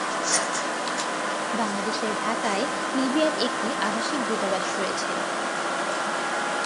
বাংলাদেশের ঢাকায় লিবিয়ার একটি আবাসিক দূতাবাস রয়েছে।